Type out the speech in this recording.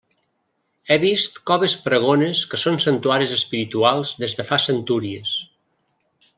He vist coves pregones que són santuaris espirituals des de fa centúries.